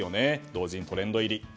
同時にトレンド入り。